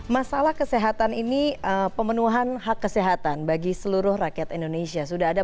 masalah kesehatan ini pemenuhan hak kesehatan bagi seluruh rakyat indonesia sudah ada